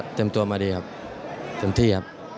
เอ่อเตรียมตัวมาดีครับเตรียมที่ครับ